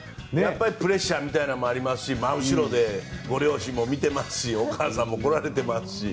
プレッシャーみたいなのもありますし真後ろでご両親も見てますしお母さんも来られてますし。